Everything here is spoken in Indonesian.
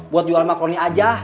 buat jual makroni aja